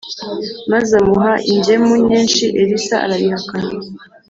maz' amuh' ingemu nyinshi, elisa arabihakana.